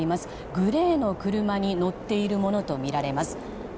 グレーの車に乗っているものとみられます。